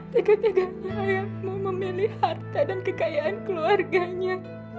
tiga tiganya ayahmu memilih harta dan kekayaan keluarganya